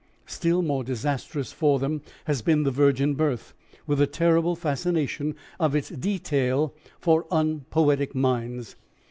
Still more disastrous for them has been the virgin birth, with the terrible fascination of its detail for unpoetic minds.